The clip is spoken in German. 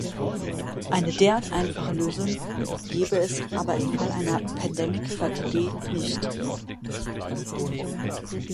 Eine derart einfache Lösung gebe es aber im Fall einer „Pandemic fatigue“ nicht.